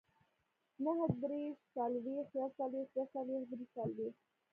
نههدېرش، څلوېښت، يوڅلوېښت، دوهڅلوېښت، دريڅلوېښت